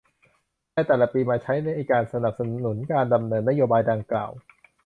ในแต่ละปีมาใช้ในการสนับสนุนการดำเนินนโยบายดังกล่าว